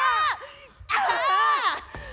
ああ！